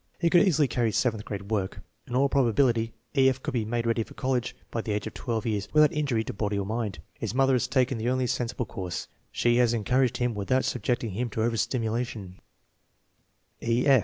He could easily carry seventh grade work. In all probability E. F. could be made ready for college by the age of 12 years without injury to body or mind. His mother has taken the only sensible course; she has encouraged him without subjecting him to overstimulation. 102 THE MEASUREMENT OF INTELLIGENCE E. F.